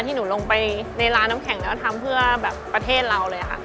ที่หนูลงไปในร้านน้ำแข็งแล้วทำเพื่อแบบประเทศเราเลยค่ะ